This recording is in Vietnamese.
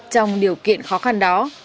trong điều kiện khó khăn đóng